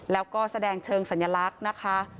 แล้วก็แสดงเชิงสัญลักษณ์นะคะ